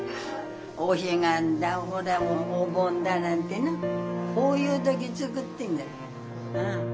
お彼岸だほらお盆だなんてなそういう時作ってんだ。